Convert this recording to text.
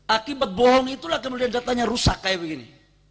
akibat bohong itulah kemudian datanya rusak kayak begini